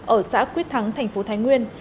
ở xã quyết thắng thành phố thái nguyên